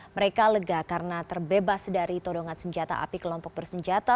mereka lega karena terbebas dari todongan senjata api kelompok bersenjata